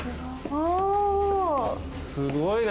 すごいね！